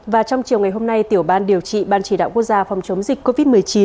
và trong chiều ngày hôm nay tiểu ban điều trị ban chỉ đạo quốc gia phòng chống dịch covid một mươi chín